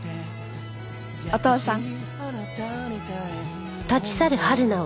お父さん。